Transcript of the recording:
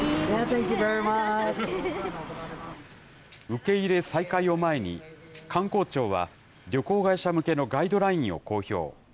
受け入れ再開を前に、観光庁は、旅行会社向けのガイドラインを公表。